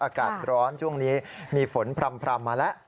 อากาศร้อนช่วงนี้มีฝนพร่ำมาแล้ว